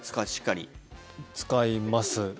使います。